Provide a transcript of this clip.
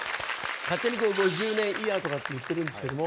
勝手に５０年イヤーとかって言ってるんですけども